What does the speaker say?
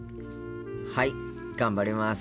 はい頑張ります。